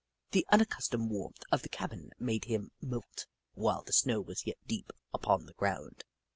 The unaccustomed warmth of the cabin made him moult while the snow was yet deep upon the ground.